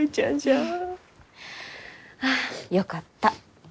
ああよかった。